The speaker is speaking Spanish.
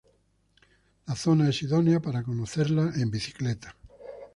La zona es idónea para conocerla en bicicleta.